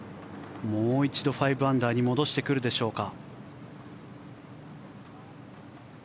もう一度、５アンダーに戻してくるでしょうか。